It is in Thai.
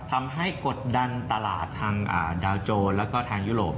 ทำให้กดดันตลาดทางดาวโจรและทางยุโรป